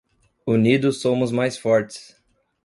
Unidos somos mais fortes